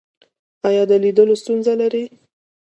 ایا د لیدلو ستونزه لرئ؟